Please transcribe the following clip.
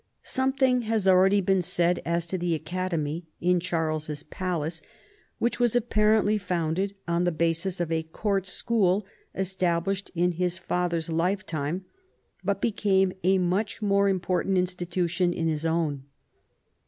Something has already been said as to the Academy in Charles's palace, which was apparently founded on the basis of a court school established in his father's lifetime but became a much more important institution in his own.